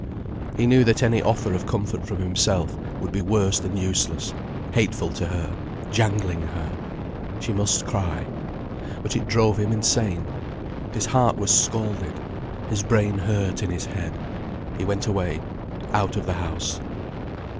He knew that any offer of comfort from himself would be worse than useless, hateful to her, jangling her. She must cry. But it drove him insane. His heart was scalded, his brain hurt in his head, he went away, out of the house.